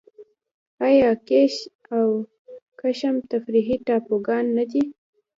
آیا کیش او قشم تفریحي ټاپوګان نه دي؟